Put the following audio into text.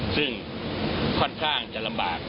ซึ่งค่อนข้างจะลำบาก